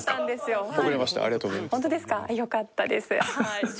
よかったです。